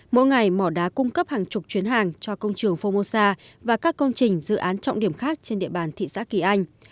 mỗi ngày mỏ đá cung cấp hàng chục chuyến hàng cho công trường phongmosa và các công trình dự án trọng điểm khác trên địa bàn thị xã kỳ anh